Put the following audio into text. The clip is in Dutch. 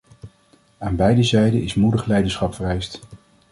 Aan beide zijden is moedig leiderschap vereist.